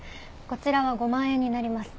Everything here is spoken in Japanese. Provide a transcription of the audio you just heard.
こちらは５万円になります。